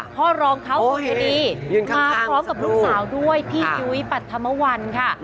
รองเท้าสุพนีมาพร้อมกับลูกสาวด้วยพี่ยุ้ยปัธมวัลค่ะ